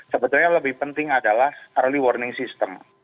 sebetulnya lebih penting adalah early warning system